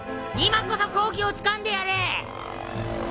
今こそ好機をつかんでやれ！